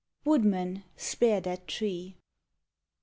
WOODMAN, SPAKE THAT TREE.